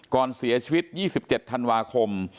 ก่อนเสียชีวิต๒๗ธันวาคม